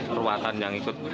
perwatan yang ikut